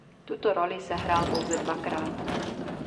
Tuto roli sehrál pouze dvakrát.